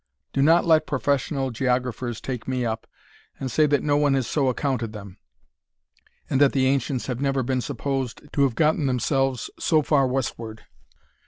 Do not let professional geographers take me up, and say that no one has so accounted them, and that the ancients have never been supposed to have gotten themselves so far westwards.